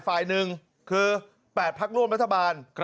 ฝ่ายหนึ่งคือ๘พักร่วมรัฐบาล